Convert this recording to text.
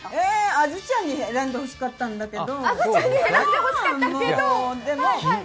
あずちゃんに選んでほしかったんですけど。